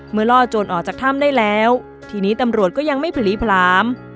ล่อโจรออกจากถ้ำได้แล้วทีนี้ตำรวจก็ยังไม่ผลีผลาม